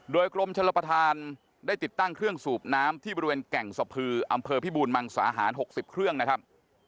โดยกรมชลประธานได้ติดตั้งเครื่องสูบน้ำที่บริเวณแก่งสะพืออำเภอพิบูรมังสาหาร๖๐เครื่องนะครับ